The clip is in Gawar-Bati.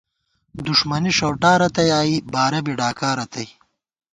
دُݭمَنی ݭَؤٹا رتئ آئی ، بارہ بی ڈاکا رتئ